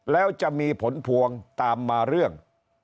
แล้วจะมีผลพวงตามมาเรื่อง